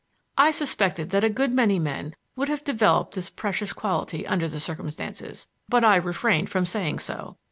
I suspected that a good many men would have developed this precious quality under the circumstances, but I refrained from saying so.